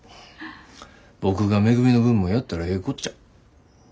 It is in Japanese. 僕がめぐみの分もやったらええこっちゃ。